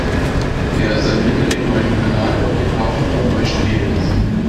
Er sanierte den neuen Kanal und den Hafen von Neustrelitz.